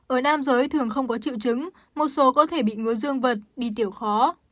ở nam giới thường không có triệu chứng một số có thể bị ngứa dương vật đi tiểu khó